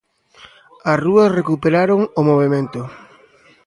As rúas recuperaron o movemento.